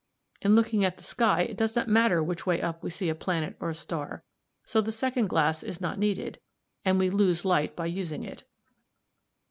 In looking at the sky it does not matter which way up we see a planet or a star, so the second glass is not needed, and we lose light by using it.